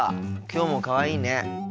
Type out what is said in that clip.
きょうもかわいいね。